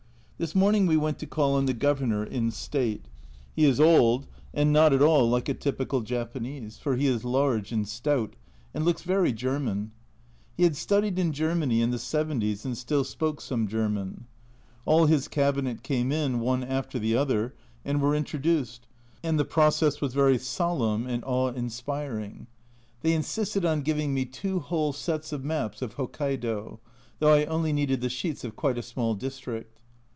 This morning we went to call on the Governor in state. He is old, and not at all like a typical Japanese, for he is large and stout, and looks very German. He had studied in Germany in the 'seventies and still spoke some German. All his Cabinet came in, one after the other, and were intro duced, and the process was very solemn and awe MY POLICEMAN IX HIS PRIVATE DRESS Facing page 12 A Journal from Japan 13 inspiring. They insisted on giving me two whole sets of maps of Hokkaido, though I only needed the sheets of quite a small district.